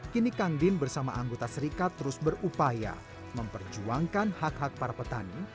kini kang din bersama anggota serikat terus berupaya memperjuangkan hak hak para petani